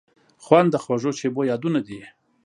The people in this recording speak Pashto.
خوند د خوږو شیبو یادونه دي.